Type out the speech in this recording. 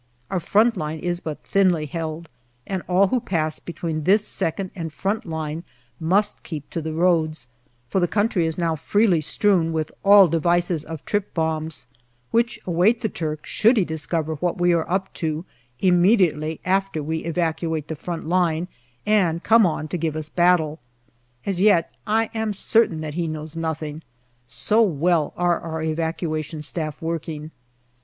Our front line is but thinly held, and all who pass between this second and front line must keep to the roads, for the country is freely strewn with all devices of trip bombs, which await the Turk should he discover what we are up to, immediately after we evacuate the front line, and come on to give us battle. As yet I am certain that he knows nothing, so well are our Evacua tion Staff working.